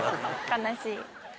悲しい。